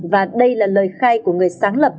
và đây là lời khai của người sáng lập